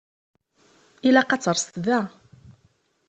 Ilaq ad terseḍ da.